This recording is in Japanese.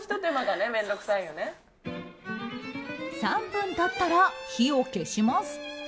３分経ったら、火を消します。